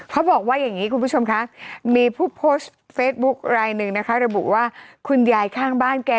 เขาบอกว่าอย่างนี้คุณผู้ชมคะ